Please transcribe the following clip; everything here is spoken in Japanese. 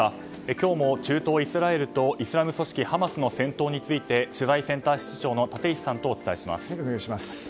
今日も中東イスラエルとイスラム組織ハマスの戦闘について取材センター室長の立石さんとお伝えします。